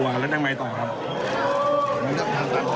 ลืมทางตันครับ